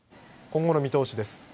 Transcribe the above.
今後の見通しです。